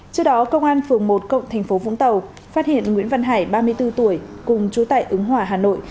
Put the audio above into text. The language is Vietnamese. trước đó công an phường một tp vũng tàu phát hiện nguyễn văn hải ba mươi bốn tuổi cùng trú tại ứng hòa hà nội